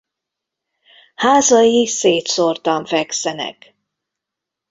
Házai szétszórtan fekszenek.